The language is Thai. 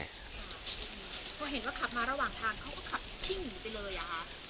พอเห็นว่าขับมาระหว่างทางเขาก็ขับชิ่งหนีไปเลยอ่ะค่ะ